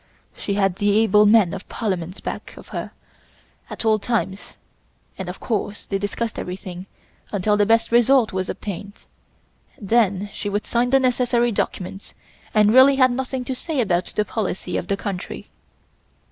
She had the able men of parliament back of her at all times and of course they discussed everything until the best result was obtained, then she would sign the necessary documents and really had nothing to say about the policy of the country.